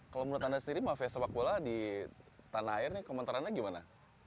kalau menurut anda sendiri mafia sepak bola di tanah air ini komentarannya gimana